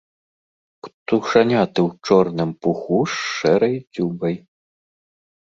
Птушаняты ў чорным пуху з шэрай дзюбай.